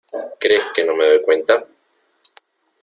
¿ crees que no me doy cuenta?